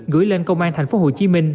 gửi lên công an thành phố hồ chí minh